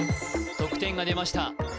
得点が出ました